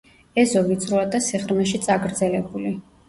ეზო ვიწროა და სიღრმეში წაგრძელებული.